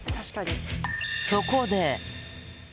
そこで。